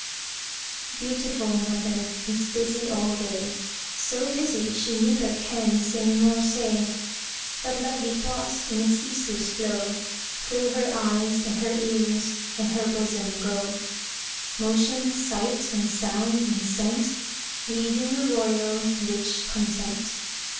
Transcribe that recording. _ Beautiful mother is busy all day, So busy she neither can sing nor say; But lovely thoughts, in a ceaseless flow, Through her eyes, and her ears, and her bosom go Motion, sight, and sound, and scent, Weaving a royal, rich content.